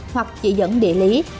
hoặc chỉ dẫn địa lý